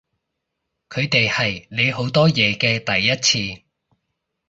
佢哋係你好多嘢嘅第一次